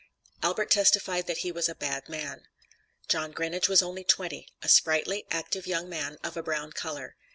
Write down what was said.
Albert testified that he was a bad man. John Grinage was only twenty, a sprightly, active young man, of a brown color.